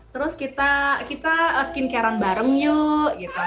terus kita skincare an bareng yuk gitu